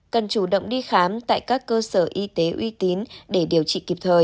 cần chủ động đi khám tại các cơ sở y tế uy tín để điều trị kịp thời